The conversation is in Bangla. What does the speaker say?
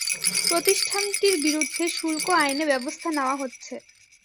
প্রতিষ্ঠানটির বিরুদ্ধে শুল্ক আইনে ব্যবস্থা নেওয়া হচ্ছে।